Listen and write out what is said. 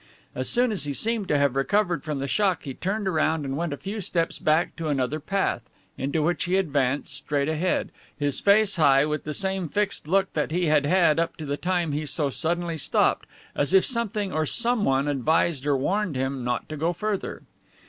As soon as he seemed to have recovered from that shock he turned around and went a few steps back to another path, into which he advanced, straight ahead, his face high, with the same fixed look that he had had up to the time he so suddenly stopped, as if something or someone advised or warned him not to go further.